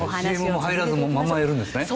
ＣＭも入らずこのままやるんですね。